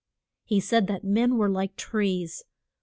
He said that men were like trees.